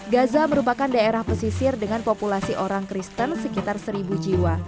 gaza merupakan daerah pesisir dengan populasi orang kristen sekitar seribu jiwa